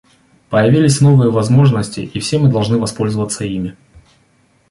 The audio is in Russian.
Появились новые возможности, и все мы должны воспользоваться ими.